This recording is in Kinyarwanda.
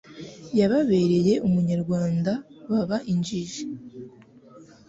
Yababereye umunyarwanda baba injiji